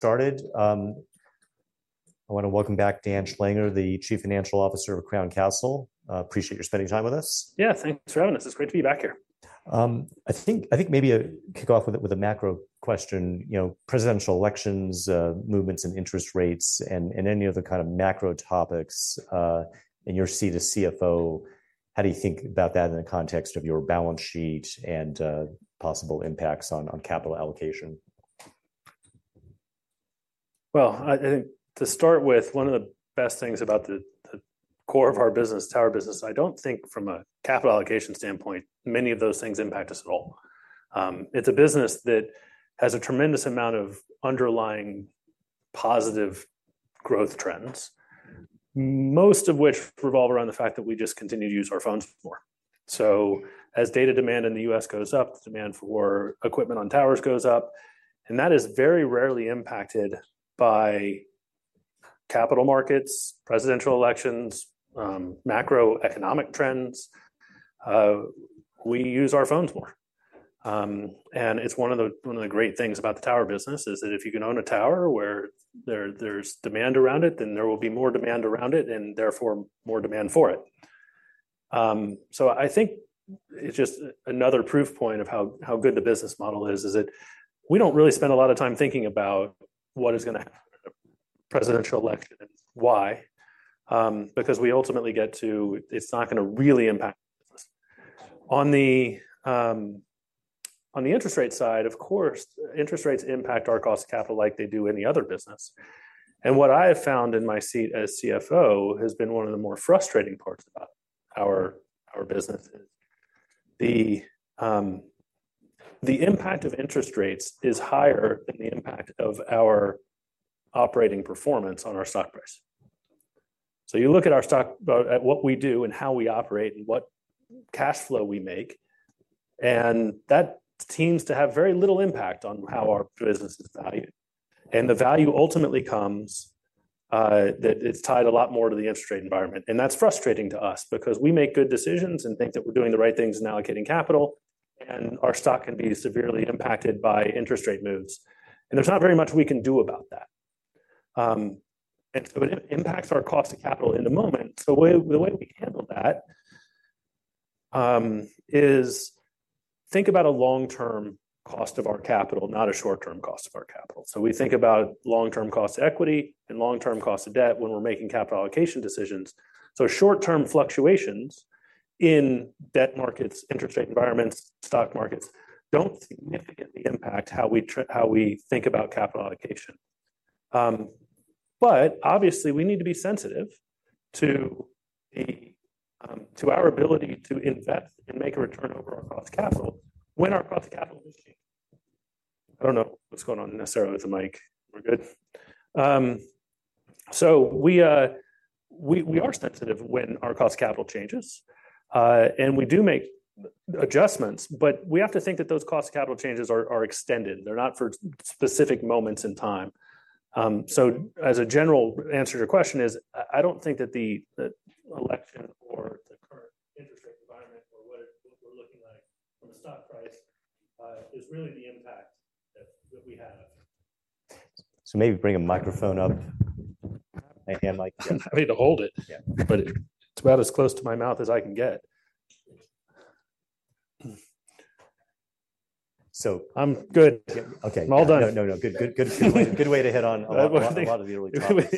Started. I wanna welcome back Dan Schlanger, the Chief Financial Officer of Crown Castle. Appreciate you spending time with us. Yeah, thanks for having us. It's great to be back here. I think maybe I'll kick off with a macro question. You know, presidential elections, movements in interest rates, and any other kind of macro topics, in your seat as CFO, how do you think about that in the context of your balance sheet and possible impacts on capital allocation? I think to start with, one of the best things about the core of our business, tower business, I don't think from a capital allocation standpoint, many of those things impact us at all. It's a business that has a tremendous amount of underlying positive growth trends, most of which revolve around the fact that we just continue to use our phones more. So as data demand in the U.S. goes up, the demand for equipment on towers goes up, and that is very rarely impacted by capital markets, presidential elections, macroeconomic trends. We use our phones more. And it's one of the great things about the tower business, is that if you can own a tower where there's demand around it, then there will be more demand around it, and therefore more demand for it. So I think it's just another proof point of how good the business model is, that we don't really spend a lot of time thinking about what is gonna happen in a presidential election. Why? Because we ultimately get to, it's not gonna really impact us. On the interest rate side, of course, interest rates impact our cost of capital like they do any other business. And what I have found in my seat as CFO has been one of the more frustrating parts about our business is, the impact of interest rates is higher than the impact of our operating performance on our stock price. So you look at our stock, at what we do and how we operate, and what cash flow we make, and that seems to have very little impact on how our business is valued. And the value ultimately comes, that it's tied a lot more to the interest rate environment. And that's frustrating to us, because we make good decisions and think that we're doing the right things in allocating capital, and our stock can be severely impacted by interest rate moves, and there's not very much we can do about that. And so it impacts our cost of capital in the moment. So the way we handle that is think about a long-term cost of our capital, not a short-term cost of our capital. So we think about long-term cost of equity and long-term cost of debt when we're making capital allocation decisions. So short-term fluctuations in debt markets, interest rate environments, stock markets, don't significantly impact how we think about capital allocation. But obviously, we need to be sensitive to our ability to invest and make a return over our cost of capital, when our cost of capital is cheap. I don't know what's going on necessarily with the mic. We're good? So we are sensitive when our cost of capital changes, and we do make adjustments, but we have to think that those cost of capital changes are extended. They're not for specific moments in time. So as a general answer to your question is, I don't think that the election or the current interest rate environment or what we're looking like from a stock price is really the impact that we have. So maybe bring a microphone up, a hand mic. I need to hold it. Yeah. But it's about as close to my mouth as I can get. So- I'm good. Okay. I'm all done. No, no, no. Good, good, good way, good way to hit on a lot of the early topics.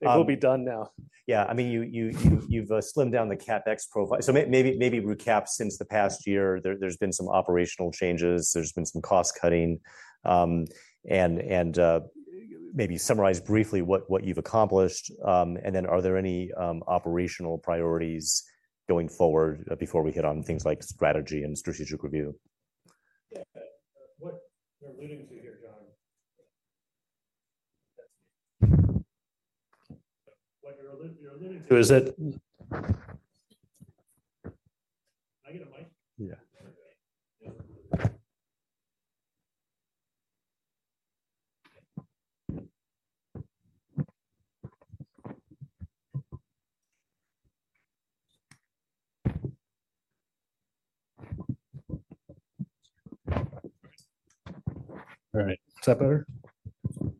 It will be done now. Yeah. I mean, you've slimmed down the CapEx profile. So maybe recap since the past year, there's been some operational changes, there's been some cost cutting. And maybe summarize briefly what you've accomplished, and then are there any operational priorities going forward before we hit on things like strategy and strategic review? Yeah. What you're alluding to here, John... Is it? Can I get a mic? Yeah. All right. Is that better?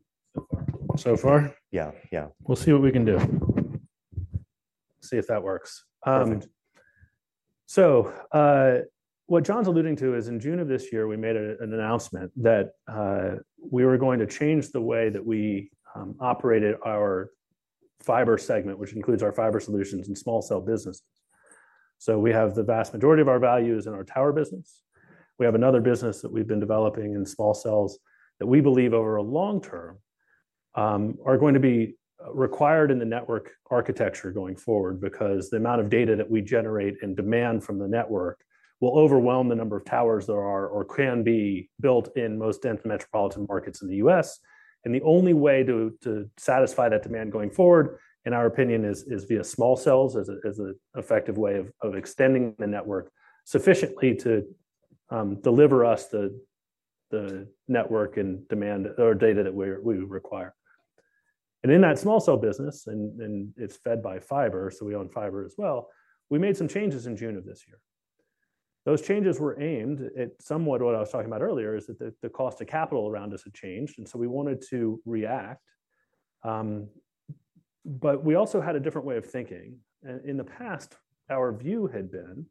So far. So far? Yeah, yeah. We'll see what we can do. See if that works. Perfect. So, what John's alluding to is in June of this year, we made an announcement that we were going to change the way that we operated our fiber segment, which includes our fiber solutions and small cell businesses. So we have the vast majority of our values in our tower business. We have another business that we've been developing in small cells, that we believe over a long term are going to be required in the network architecture going forward, because the amount of data that we generate and demand from the network will overwhelm the number of towers there are or can be built in most dense metropolitan markets in the U.S. And the only way to satisfy that demand going forward, in our opinion, is via small cells, as an effective way of extending the network sufficiently to deliver us the network and demand or data that we require. And in that small cell business, and it's fed by fiber, so we own fiber as well, we made some changes in June of this year. Those changes were aimed at somewhat what I was talking about earlier, is that the cost of capital around us had changed, and so we wanted to react. But we also had a different way of thinking. And in the past, our view had been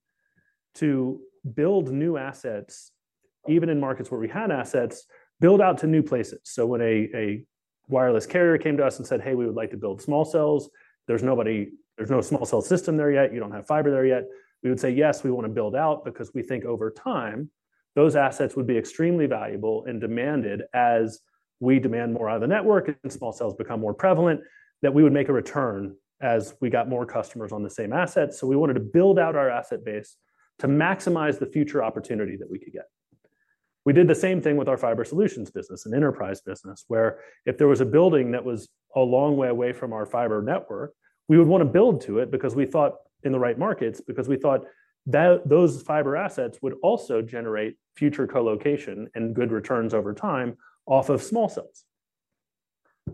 to build new assets, even in markets where we had assets, build out to new places. So when a wireless carrier came to us and said: "Hey, we would like to build small cells," there's nobody, there's no small cell system there yet, you don't have fiber there yet. We would say: "Yes, we wanna build out," because we think over time, those assets would be extremely valuable and demanded as we demand more out of the network and small cells become more prevalent, that we would make a return as we got more customers on the same asset. So we wanted to build out our asset base to maximize the future opportunity that we could get. We did the same thing with our fiber solutions business and enterprise business, where if there was a building that was a long way away from our fiber network, we would wanna build to it, because we thought in the right markets, because we thought that those fiber assets would also generate future co-location and good returns over time off of small cells.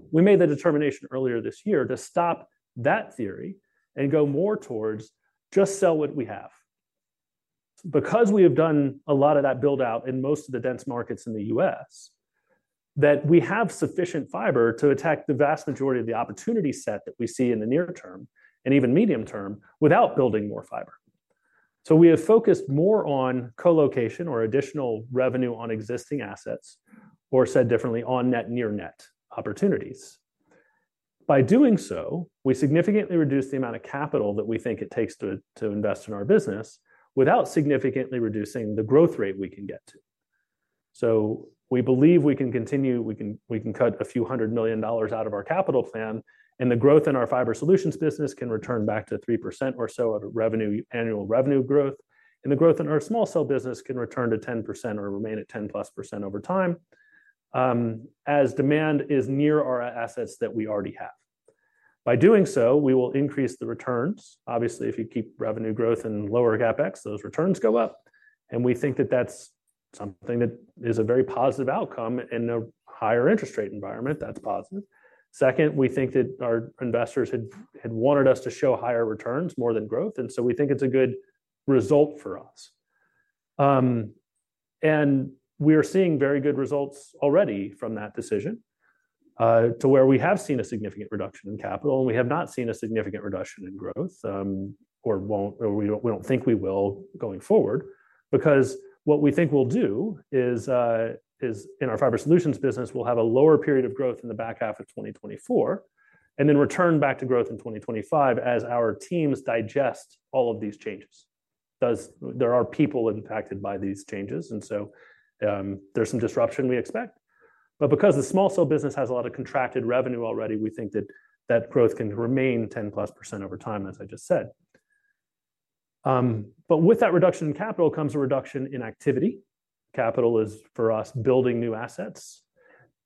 We made the determination earlier this year to stop that theory and go more towards just sell what we have. Because we have done a lot of that build-out in most of the dense markets in the US, that we have sufficient fiber to attack the vast majority of the opportunity set that we see in the near term, and even medium term, without building more fiber. So we have focused more on co-location or additional revenue on existing assets, or said differently, on-net, near-net opportunities. By doing so, we significantly reduce the amount of capital that we think it takes to invest in our business, without significantly reducing the growth rate we can get to. So we believe we can cut a few 100 million dollars out of our capital plan, and the growth in our fiber solutions business can return back to 3% or so of revenue, annual revenue growth. And the growth in our small cell business can return to 10% or remain at 10+% over time, as demand is near our assets that we already have. By doing so, we will increase the returns. Obviously, if you keep revenue growth and lower CapEx, those returns go up, and we think that that's something that is a very positive outcome in a higher interest rate environment, that's positive. Second, we think that our investors wanted us to show higher returns more than growth, and so we think it's a good result for us, and we are seeing very good results already from that decision to where we have seen a significant reduction in capital, and we have not seen a significant reduction in growth, or we don't think we will going forward. Because what we think we'll do is in our fiber solutions business, we'll have a lower period of growth in the back half of 2024, and then return back to growth in 2025 as our teams digest all of these changes. There are people impacted by these changes, and so, there's some disruption we expect. But because the small cell business has a lot of contracted revenue already, we think that that growth can remain 10-plus% over time, as I just said. But with that reduction in capital comes a reduction in activity. Capital is, for us, building new assets.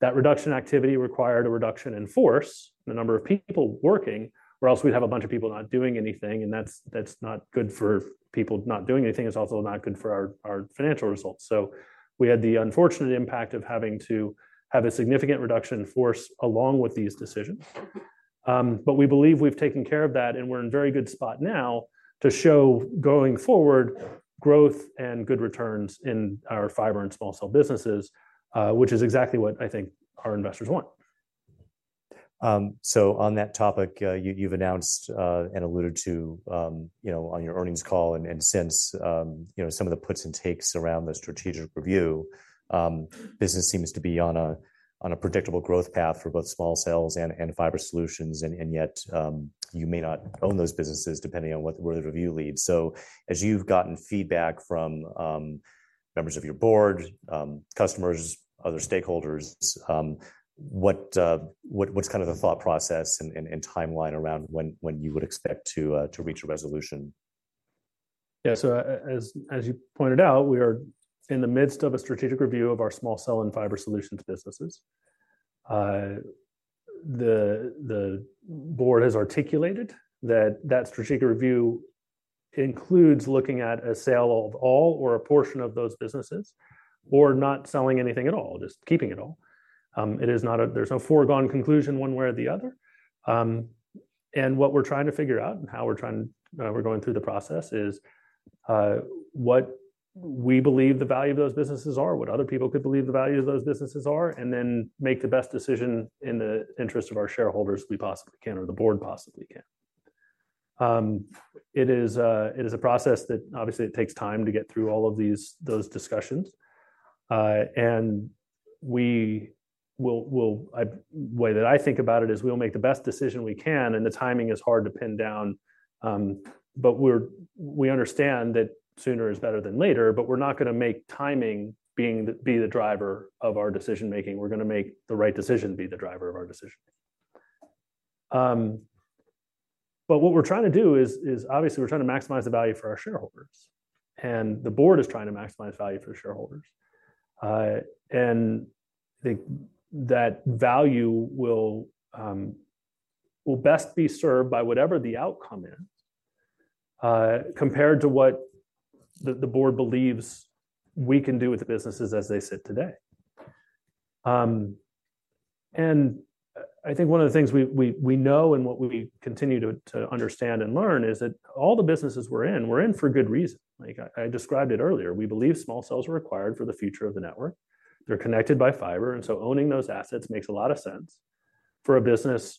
That reduction activity required a reduction in force, the number of people working, or else we'd have a bunch of people not doing anything, and that's not good for people not doing anything. It's also not good for our financial results. So we had the unfortunate impact of having to have a significant reduction in force along with these decisions. But we believe we've taken care of that, and we're in very good spot now to show going forward, growth and good returns in our fiber and small cell businesses, which is exactly what I think our investors want. So on that topic, you’ve announced and alluded to, you know, on your earnings call and since, you know, some of the puts and takes around the strategic review, business seems to be on a predictable growth path for both small cells and fiber solutions, and yet, you may not own those businesses depending on where the review leads. So as you’ve gotten feedback from members of your board, customers, other stakeholders, what’s kind of the thought process and timeline around when you would expect to reach a resolution? Yeah. So as you pointed out, we are in the midst of a strategic review of our small cell and fiber solutions businesses. The board has articulated that strategic review includes looking at a sale of all or a portion of those businesses, or not selling anything at all, just keeping it all. It is not. There's no foregone conclusion one way or the other, and what we're trying to figure out and how we're going through the process is what we believe the value of those businesses are, what other people could believe the value of those businesses are, and then make the best decision in the interest of our shareholders we possibly can, or the board possibly can. It is a process that obviously takes time to get through all of those discussions. And the way that I think about it is we will make the best decision we can, and the timing is hard to pin down. But we understand that sooner is better than later, but we are not going to make timing be the driver of our decision making. We are going to make the right decision be the driver of our decision making. But what we are trying to do is obviously we are trying to maximize the value for our shareholders, and the board is trying to maximize value for shareholders. And I think that value will best be served by whatever the outcome is. Compared to what the board believes we can do with the businesses as they sit today. I think one of the things we know and what we continue to understand and learn is that all the businesses we're in, we're in for good reason. Like I described it earlier, we believe small cells are required for the future of the network. They're connected by fiber, and so owning those assets makes a lot of sense for a business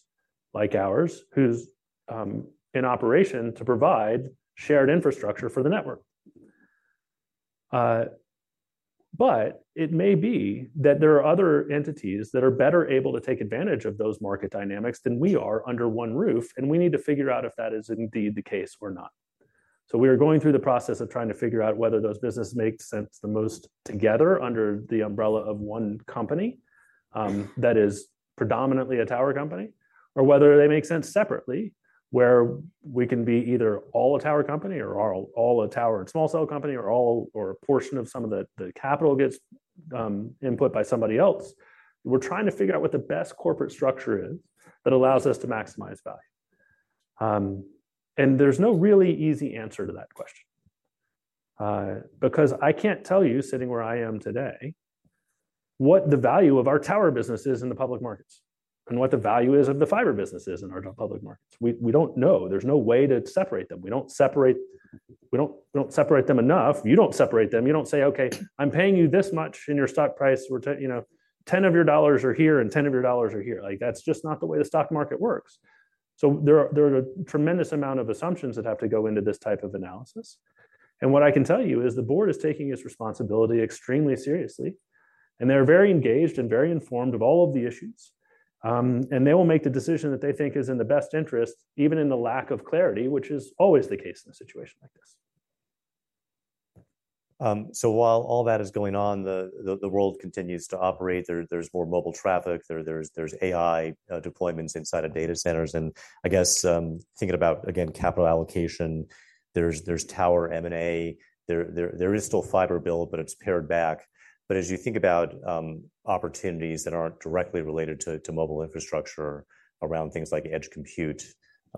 like ours, who's in operation to provide shared infrastructure for the network. But it may be that there are other entities that are better able to take advantage of those market dynamics than we are under one roof, and we need to figure out if that is indeed the case or not. We are going through the process of trying to figure out whether those businesses make sense the most together under the umbrella of one company, that is predominantly a tower company, or whether they make sense separately, where we can be either all a tower company or all a tower and small cell company, or a portion of some of the capital gets input by somebody else. We're trying to figure out what the best corporate structure is that allows us to maximize value. There's no really easy answer to that question, because I can't tell you, sitting where I am today, what the value of our tower business is in the public markets, and what the value is of the fiber business is in our public markets. We don't know. There's no way to separate them. We don't separate them enough. You don't separate them. You don't say: "Okay, I'm paying you this much in your stock price. We're, you know, ten of your dollars are here and ten of your dollars are here." Like, that's just not the way the stock market works. So there are a tremendous amount of assumptions that have to go into this type of analysis. And what I can tell you is the board is taking its responsibility extremely seriously, and they're very engaged and very informed of all of the issues. And they will make the decision that they think is in the best interest, even in the lack of clarity, which is always the case in a situation like this. So while all that is going on, the world continues to operate. There's more mobile traffic, there's AI deployments inside of data centers. And I guess, thinking about, again, capital allocation, there's tower M&A. There is still fiber build, but it's pared back. But as you think about opportunities that aren't directly related to mobile infrastructure around things like edge compute,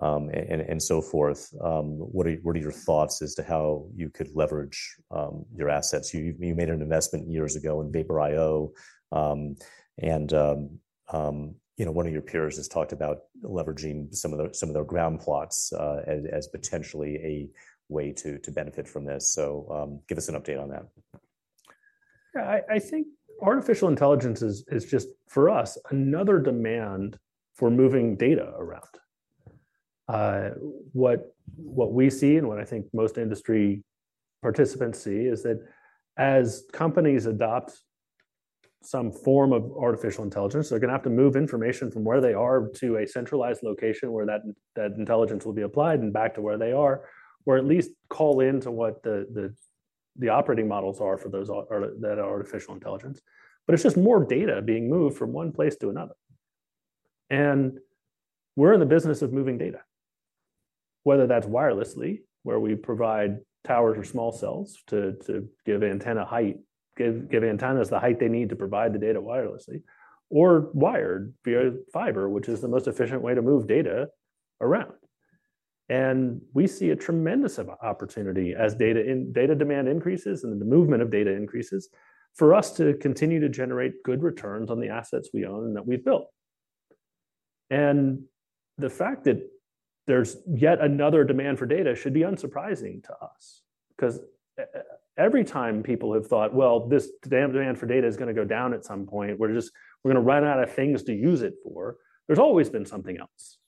and so forth, what are your thoughts as to how you could leverage your assets? You made an investment years ago in Vapor IO, and you know, one of your peers has talked about leveraging some of their ground plots as potentially a way to benefit from this. So, give us an update on that. Yeah, I think artificial intelligence is just, for us, another demand for moving data around. What we see and what I think most industry participants see is that as companies adopt some form of artificial intelligence, they're gonna have to move information from where they are to a centralized location where that intelligence will be applied and back to where they are, or at least call into what the operating models are for those or that artificial intelligence. But it's just more data being moved from one place to another. And we're in the business of moving data, whether that's wirelessly, where we provide towers or small cells to give antenna height, give antennas the height they need to provide the data wirelessly, or wired via fiber, which is the most efficient way to move data around. We see a tremendous opportunity as data demand increases and the movement of data increases, for us to continue to generate good returns on the assets we own and that we've built. The fact that there's yet another demand for data should be unsurprising to us, 'cause every time people have thought, well, this damn demand for data is gonna go down at some point, we're gonna run out of things to use it for, there's always been something else.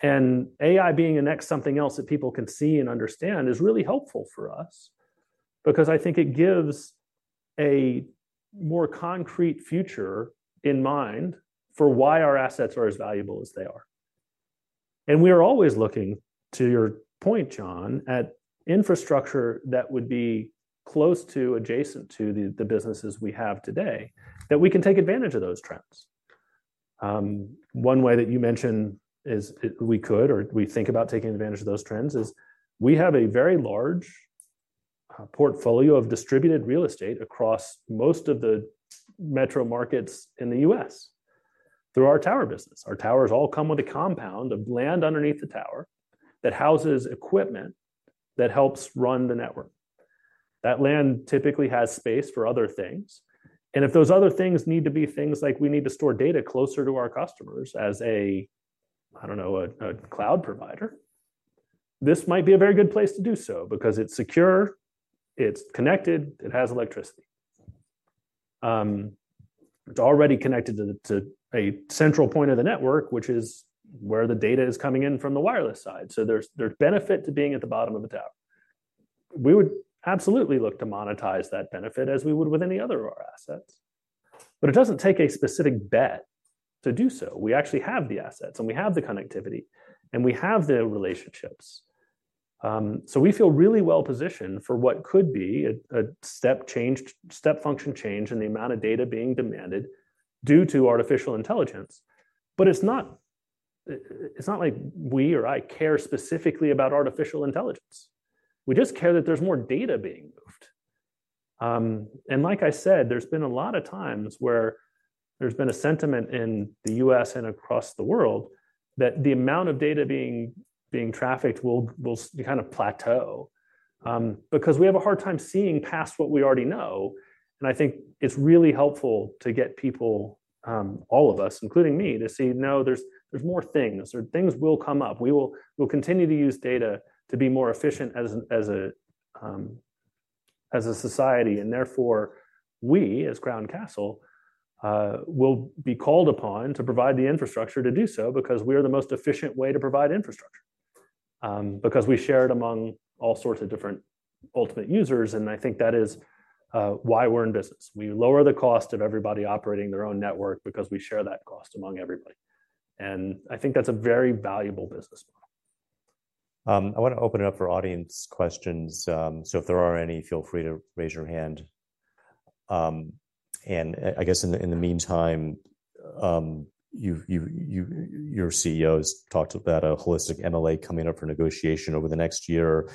And AI being a next something else that people can see and understand is really helpful for us, because I think it gives a more concrete future in mind for why our assets are as valuable as they are. We are always looking, to your point, John, at infrastructure that would be close to adjacent to the businesses we have today, that we can take advantage of those trends. One way that you mention is we could or we think about taking advantage of those trends is, we have a very large portfolio of distributed real estate across most of the metro markets in the U.S. through our tower business. Our towers all come with a compound of land underneath the tower, that houses equipment that helps run the network. That land typically has space for other things, and if those other things need to be things like we need to store data closer to our customers as a, I don't know, a cloud provider, this might be a very good place to do so because it's secure, it's connected, it has electricity. It's already connected to a central point of the network, which is where the data is coming in from the wireless side. So there's benefit to being at the bottom of the tower. We would absolutely look to monetize that benefit as we would with any other of our assets, but it doesn't take a specific bet to do so. We actually have the assets, and we have the connectivity, and we have the relationships. So we feel really well positioned for what could be a step change, step function change in the amount of data being demanded due to artificial intelligence. But it's not like we or I care specifically about artificial intelligence. We just care that there's more data being-... And like I said, there's been a lot of times where there's been a sentiment in the U.S. and across the world, that the amount of data being trafficked will kind of plateau. Because we have a hard time seeing past what we already know, and I think it's really helpful to get people, all of us, including me, to see, no, there's more things, or things will come up. We'll continue to use data to be more efficient as a society, and therefore, we, as Crown Castle, will be called upon to provide the infrastructure to do so, because we are the most efficient way to provide infrastructure. Because we share it among all sorts of different ultimate users, and I think that is why we're in business. We lower the cost of everybody operating their own network because we share that cost among everybody. And I think that's a very valuable business model. I want to open it up for audience questions, so if there are any, feel free to raise your hand, and I guess in the meantime, your CEO's talked about a holistic MLA coming up for negotiation over the next year.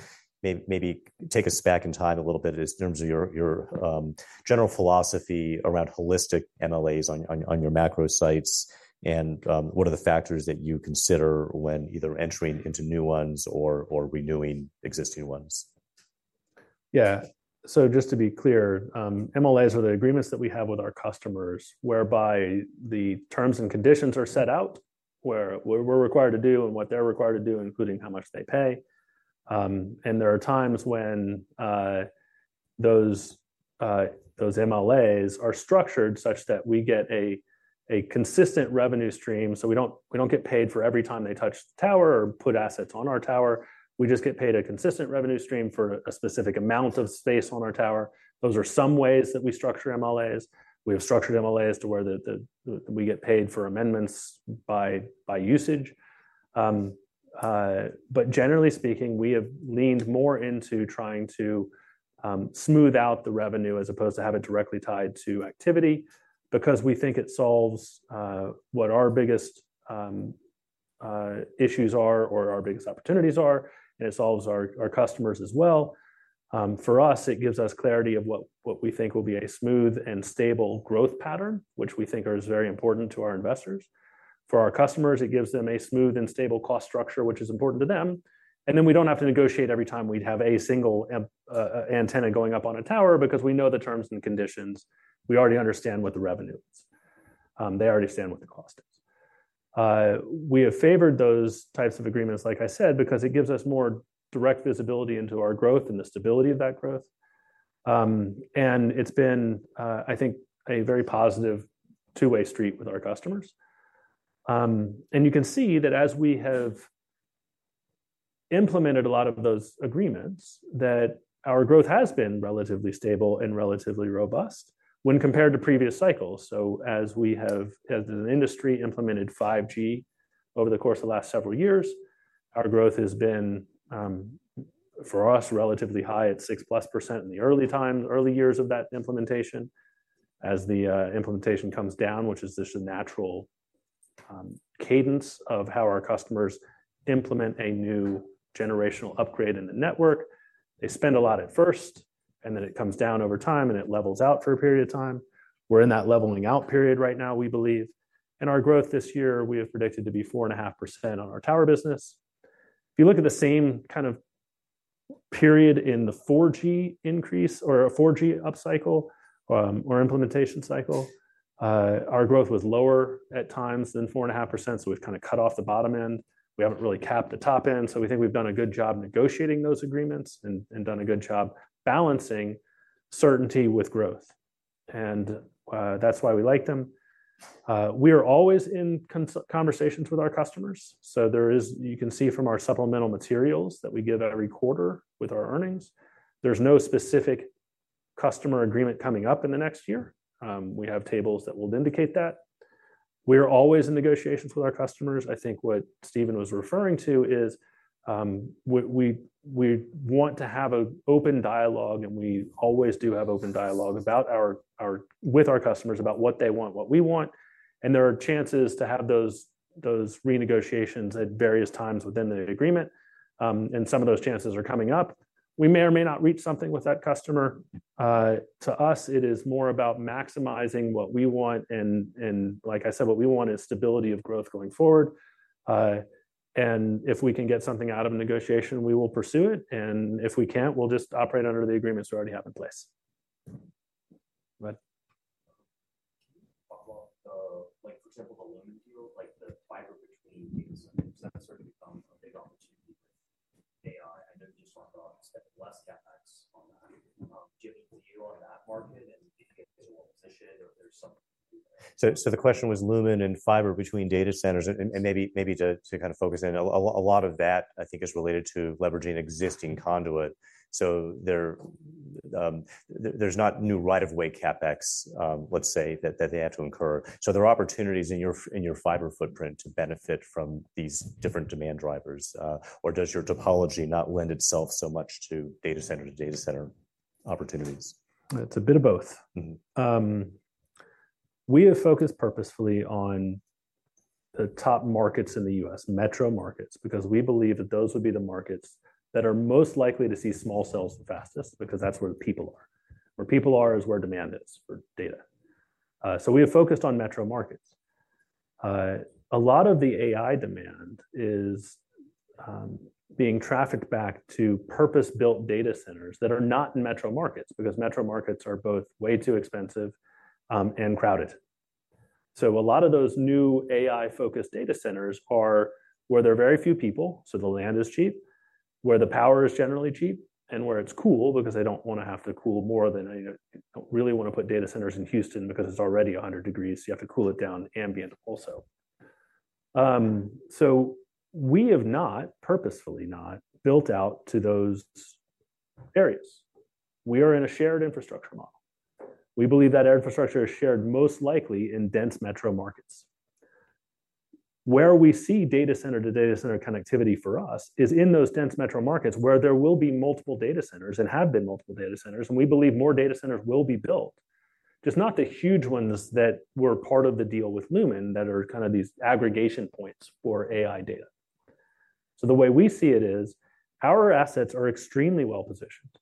Maybe take us back in time a little bit in terms of your general philosophy around holistic MLAs on your macro sites, and what are the factors that you consider when either entering into new ones or renewing existing ones? Yeah. So just to be clear, MLAs are the agreements that we have with our customers, whereby the terms and conditions are set out, where we're required to do and what they're required to do, including how much they pay. And there are times when those MLAs are structured such that we get a consistent revenue stream, so we don't get paid for every time they touch the tower or put assets on our tower. We just get paid a consistent revenue stream for a specific amount of space on our tower. Those are some ways that we structure MLAs. We have structured MLAs to where we get paid for amendments by usage. But generally speaking, we have leaned more into trying to smooth out the revenue as opposed to have it directly tied to activity, because we think it solves what our biggest issues are or our biggest opportunities are, and it solves our customers as well. For us, it gives us clarity of what we think will be a smooth and stable growth pattern, which we think is very important to our investors. For our customers, it gives them a smooth and stable cost structure, which is important to them. And then we don't have to negotiate every time we'd have a single antenna going up on a tower, because we know the terms and conditions. We already understand what the revenue is. They understand what the cost is. We have favored those types of agreements, like I said, because it gives us more direct visibility into our growth and the stability of that growth. And it's been, I think, a very positive two-way street with our customers. And you can see that as we have implemented a lot of those agreements, that our growth has been relatively stable and relatively robust when compared to previous cycles. So as we have, as an industry, implemented 5G over the course of the last several years, our growth has been, for us, relatively high at 6%+ in the early times, early years of that implementation. As the implementation comes down, which is just a natural cadence of how our customers implement a new generational upgrade in the network, they spend a lot at first, and then it comes down over time, and it levels out for a period of time. We're in that leveling out period right now, we believe. And our growth this year, we have predicted to be 4.5% on our tower business. If you look at the same kind of period in the 4G increase or a 4G upcycle, or implementation cycle, our growth was lower at times than 4.5%, so we've kind of cut off the bottom end. We haven't really capped the top end, so we think we've done a good job negotiating those agreements and done a good job balancing certainty with growth. That's why we like them. We are always in conversations with our customers, so you can see from our supplemental materials that we give out every quarter with our earnings. There's no specific customer agreement coming up in the next year. We have tables that will indicate that. We are always in negotiations with our customers. I think what Steven was referring to is, we want to have an open dialogue, and we always do have open dialogue about our with our customers about what they want, what we want, and there are chances to have those renegotiations at various times within the agreement, and some of those chances are coming up. We may or may not reach something with that customer. To us, it is more about maximizing what we want, and like I said, what we want is stability of growth going forward. And if we can get something out of a negotiation, we will pursue it, and if we can't, we'll just operate under the agreements we already have in place. What? Can you talk about the, like, for example, the Lumen deal, like the fiber between data centers, has that started to become a big opportunity with AI? I know you just talked about expecting less CapEx on that. Give me a view on that market and if you guys are well positioned or there's some- So the question was Lumen and fiber between data centers, and maybe to kind of focus in. A lot of that, I think, is related to leveraging existing conduit. So there, there's not new right-of-way CapEx, let's say, that they had to incur. So there are opportunities in your fiber footprint to benefit from these different demand drivers, or does your topology not lend itself so much to data center to data center opportunities? It's a bit of both. Mm-hmm. ... We have focused purposefully on the top markets in the U.S., metro markets, because we believe that those would be the markets that are most likely to see small cells the fastest, because that's where the people are. Where people are is where demand is for data. So we have focused on metro markets. A lot of the AI demand is being trafficked back to purpose-built data centers that are not in metro markets, because metro markets are both way too expensive, and crowded. So a lot of those new AI-focused data centers are where there are very few people, so the land is cheap, where the power is generally cheap and where it's cool because they don't wanna have to cool. You know, you don't really want to put data centers in Houston because it's already 100 degrees, so you have to cool it down ambient also. So we have not, purposefully not, built out to those areas. We are in a shared infrastructure model. We believe that infrastructure is shared most likely in dense metro markets. Where we see data center-to-data center connectivity for us is in those dense metro markets, where there will be multiple data centers and have been multiple data centers, and we believe more data centers will be built. Just not the huge ones that were part of the deal with Lumen, that are kind of these aggregation points for AI data. So the way we see it is, our assets are extremely well-positioned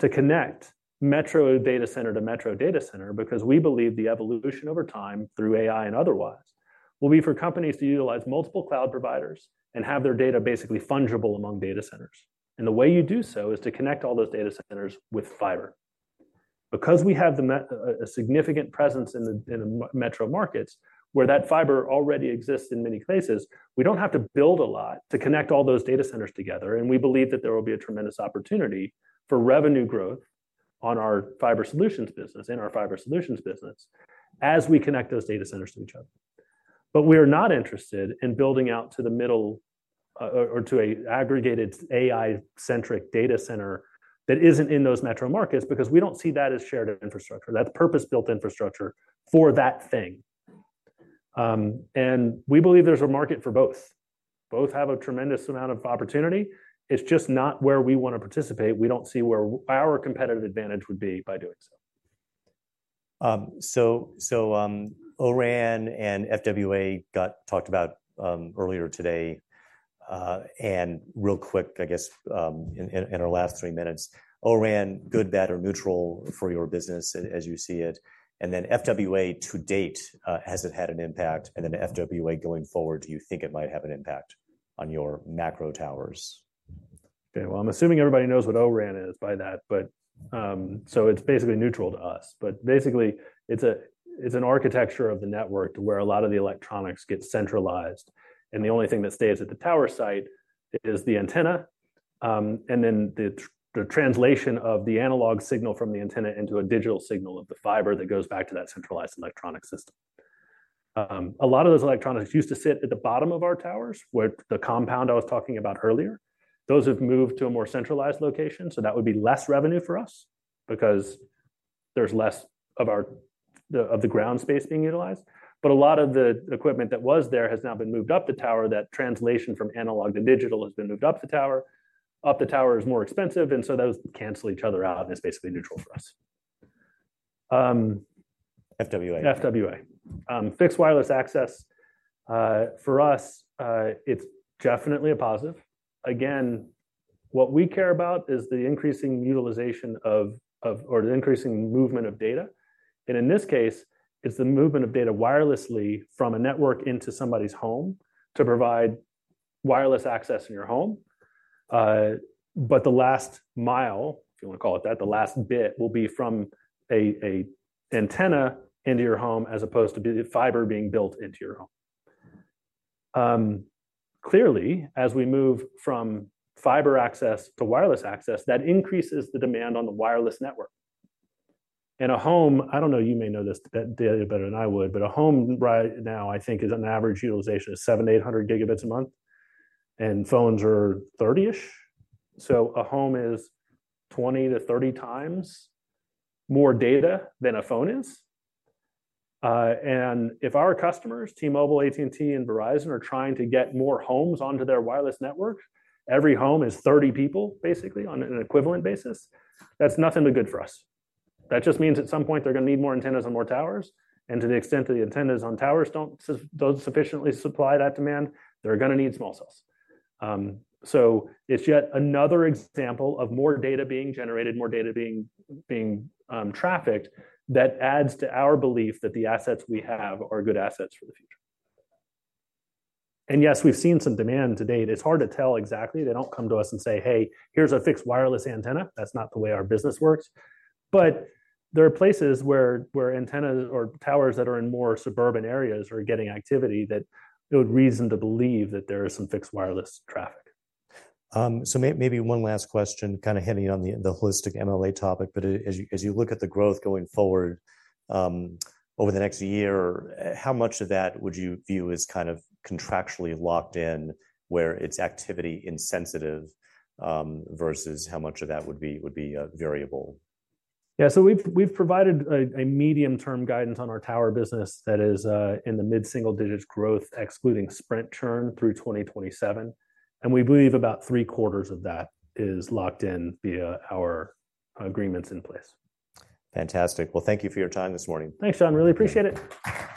to connect metro data center to metro data center because we believe the evolution over time, through AI and otherwise, will be for companies to utilize multiple cloud providers and have their data basically fungible among data centers. And the way you do so is to connect all those data centers with fiber. Because we have a significant presence in the metro markets, where that fiber already exists in many cases, we don't have to build a lot to connect all those data centers together, and we believe that there will be a tremendous opportunity for revenue growth on our fiber solutions business as we connect those data centers to each other. But we are not interested in building out to the middle, or to a aggregated AI-centric data center that isn't in those metro markets, because we don't see that as shared infrastructure. That's purpose-built infrastructure for that thing. And we believe there's a market for both. Both have a tremendous amount of opportunity. It's just not where we want to participate. We don't see where our competitive advantage would be by doing so. So, O-RAN and FWA got talked about earlier today. And real quick, I guess, in our last three minutes, O-RAN, good, bad, or neutral for your business as you see it? And then FWA to date, has it had an impact, and then FWA going forward, do you think it might have an impact on your macro towers? Okay, well, I'm assuming everybody knows what O-RAN is by that, but so it's basically neutral to us. Basically, it's an architecture of the network to where a lot of the electronics get centralized, and the only thing that stays at the tower site is the antenna, and then the translation of the analog signal from the antenna into a digital signal of the fiber that goes back to that centralized electronic system. A lot of those electronics used to sit at the bottom of our towers, where the compound I was talking about earlier, those have moved to a more centralized location, so that would be less revenue for us because there's less of our ground space being utilized. But a lot of the equipment that was there has now been moved up the tower. That translation from analog to digital has been moved up the tower. Up the tower is more expensive, and so those cancel each other out, and it's basically neutral for us. FWA. FWA. Fixed wireless access, for us, it's definitely a positive. Again, what we care about is the increasing utilization of, or the increasing movement of data, and in this case, it's the movement of data wirelessly from a network into somebody's home to provide wireless access in your home. But the last mile, if you wanna call it that, the last bit will be from a antenna into your home, as opposed to the fiber being built into your home. Clearly, as we move from fiber access to wireless access, that increases the demand on the wireless network. In a home, I don't know, you may know this data better than I would, but a home right now, I think, is an average utilization of 700 GB to 800 GB a month, and phones are 30-ish, so a home is 20-30 times more data than a phone is. And if our customers, T-Mobile, AT&T, and Verizon, are trying to get more homes onto their wireless network, every home is 30 people, basically, on an equivalent basis. That's nothing but good for us. That just means at some point they're gonna need more antennas and more towers, and to the extent that the antennas on towers don't sufficiently supply that demand, they're gonna need small cells. So it's yet another example of more data being generated, more data being trafficked, that adds to our belief that the assets we have are good assets for the future. And yes, we've seen some demand to date. It's hard to tell exactly. They don't come to us and say, "Hey, here's a fixed wireless antenna." That's not the way our business works. But there are places where antennas or towers that are in more suburban areas are getting activity that there would reason to believe that there is some fixed wireless traffic. So maybe one last question, kind of hitting on the holistic MLA topic, but as you look at the growth going forward, over the next year, how much of that would you view as kind of contractually locked in, where it's activity insensitive, versus how much of that would be variable? Yeah, so we've provided a medium-term guidance on our tower business that is in the mid-single digits growth, excluding Sprint churn through 2027, and we believe about three quarters of that is locked in via our agreements in place. Fantastic. Well, thank you for your time this morning. Thanks, John. Really appreciate it.